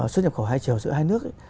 xuất nhập khẩu hai triệu giữa hai nước